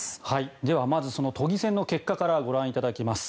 ではまずその都議選の結果からご覧いただきます。